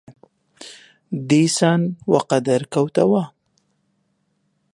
دیسان وەقەدر کەوتەوە